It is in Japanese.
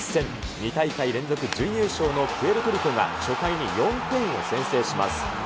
２大会連続準優勝のプエルトリコが初回に４点を先制します。